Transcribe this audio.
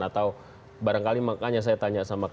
atau barangkali makanya saya tanya sama kpk